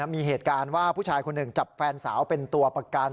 มีเหตุการณ์ว่าผู้ชายคนหนึ่งจับแฟนสาวเป็นตัวประกัน